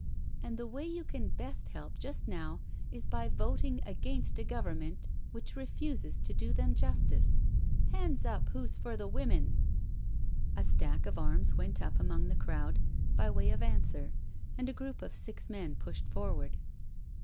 And the way you can best help just now is by voting against a Government which refuses to do them justice. Hands up who's for Ihe women I" A stack of arms went up among the crowd by way of answer, and a group of six men pushed forward.